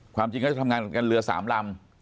ความจริงก็จะทำงานเหลือสามลำ